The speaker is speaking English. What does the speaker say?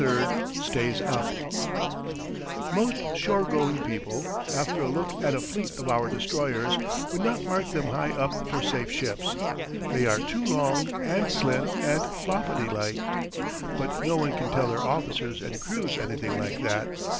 THE 343 STAYS UP Most shore going people, after a look at a fleet of our destroyers, would not mark them high up for safe ships. They are too long and slim and floppety like. But no one can tell their officers and crews anything like that.